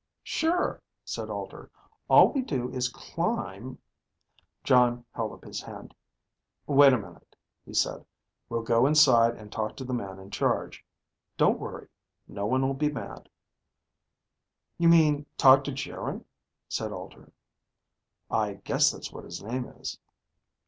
"Sure," said Alter, "all we do is climb ..." Jon held up his hand. "Wait a minute," he said. "We'll go inside and talk to the man in charge. Don't worry. No one'll be mad." "You mean talk to Geryn?" said Alter. "I guess that's what his name is."